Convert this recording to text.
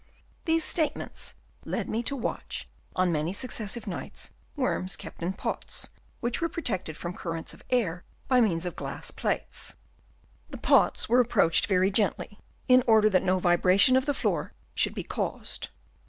These statements led me to watch on many successive nights worms kept in pots, which were protected from currents of air by means of glass plates. The pots were approached very gently, in order that no vibration of the floor should be caused.